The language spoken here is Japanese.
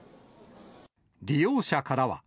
利用者からは。